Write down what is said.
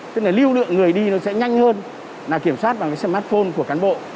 tức là lưu lượng người đi nó sẽ nhanh hơn là kiểm soát bằng cái smartphone của cán bộ